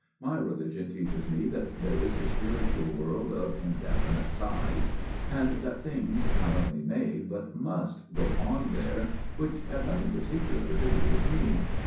My religion teaches me that there is a spiritual world of in definite size, and that things not only may, but must, go on there which have nothing particular to do with me.